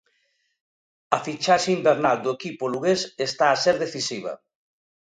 A fichaxe invernal do equipo lugués está a ser decisiva.